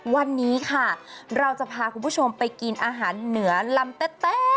วันนี้ค่ะเราจะพาคุณผู้ชมไปกินอาหารเหนือลำเต๊ะ